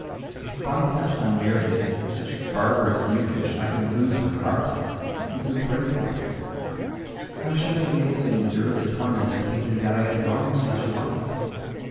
If by such unmerited, such barbarous usage I could lose her heart it would break mine. How should I be able to endure the torment of thinking that I had wronged such a wife?